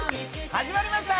始まりました！